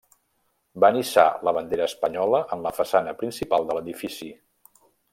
Van hissar la bandera espanyola en la façana principal de l'edifici.